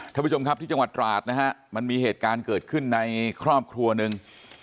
ท่านผู้ชมครับที่จังหวัดตราดนะฮะมันมีเหตุการณ์เกิดขึ้นในครอบครัวหนึ่ง